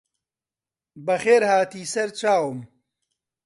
بەخێرهاتی سەرچاوم